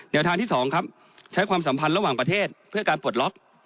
ทางที่๒ครับใช้ความสัมพันธ์ระหว่างประเทศเพื่อการปลดล็อก